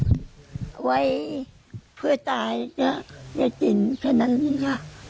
เอาไว้เพื่อตายก็จะกินแค่นั้นเนี่ย